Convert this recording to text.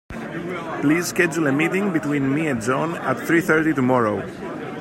Please schedule a meeting between me and John at three thirty tomorrow.